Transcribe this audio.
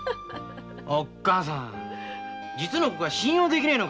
おっかさん実の子が信用できねえのかよ！